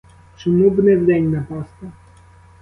Чому б не вдень напасти?